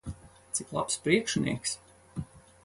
Cik labs priekšnieks!